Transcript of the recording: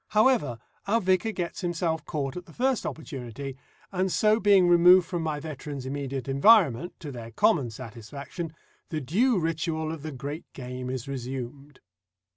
However, our vicar gets himself caught at the first opportunity, and so being removed from my veteran's immediate environment, to their common satisfaction, the due ritual of the great game is resumed.